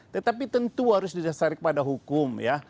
tetapi tentu harus disarik pada hukum ya